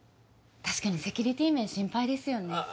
確かにセキュリティー面心配ですよね。